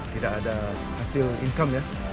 tidak ada hasil income ya